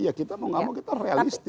ya kita mau gak mau kita realistis